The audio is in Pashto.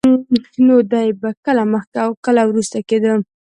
نو دی به کله مخکې او کله وروسته کېده.